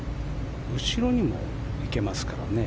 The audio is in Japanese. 後ろにも行けますからね。